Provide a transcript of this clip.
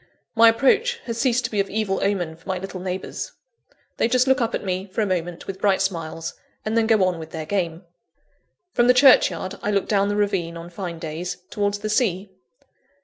My approach has ceased to be of evil omen for my little neighbours. They just look up at me, for a moment, with bright smiles, and then go on with their game. From the churchyard, I look down the ravine, on fine days, towards the sea.